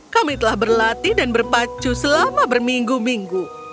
kami telah berlatih dan berpacu selama berminggu minggu